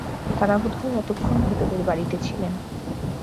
তারা বোধহয় এতক্ষণ ভেতরের বাড়িতে ছিলেন।